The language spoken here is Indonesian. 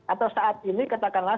atau saat ini katakanlah